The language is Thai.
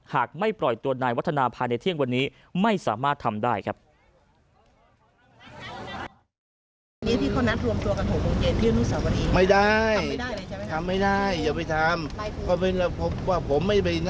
หากไม่ปล่อยตัวนายวัฒนาภายในเที่ยงวันนี้ไม่สามารถทำได้ครับ